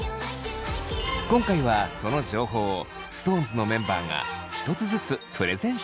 今回はその情報をＳｉｘＴＯＮＥＳのメンバーが一つずつプレゼンしていきます！